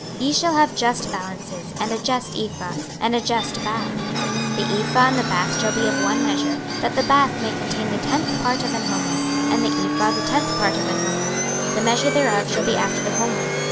26:045:010 Ye shall have just balances, and a just ephah, and a just bath. 26:045:011 The ephah and the bath shall be of one measure, that the bath may contain the tenth part of an homer, and the ephah the tenth part of an homer: the measure thereof shall be after the homer.